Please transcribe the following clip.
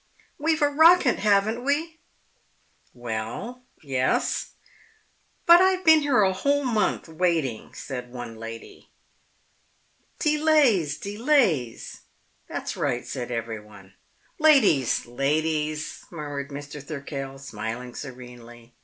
"We've a rocket, haven't we?" "Well, ye ess." "But I've been here a whole month, waiting," said one old lady. "Delays, delays!" "That's right," said everyone. "Ladies, ladies," murmured Mr. Thirkell, smiling serenely.